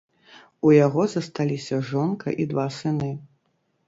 У яго засталіся жонка і два сыны.